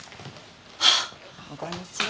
こんにちは。